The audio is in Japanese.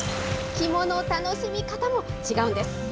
肝の楽しみ方も違うんです。